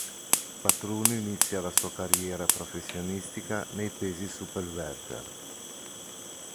Patruno inizia la sua carriera professionistica nei pesi superwelter.